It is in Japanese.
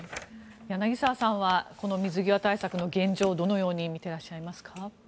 柳澤さんはこの水際対策の現状をどのように見ていますか？